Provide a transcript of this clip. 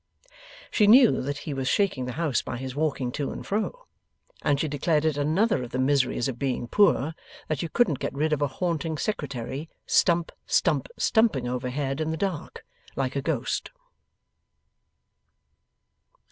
She knew that he was shaking the house by his walking to and fro; and she declared it another of the miseries of being poor, that you couldn't get rid of a haunting Secretary, stump stump stumping overhead in the dark, like a Ghost.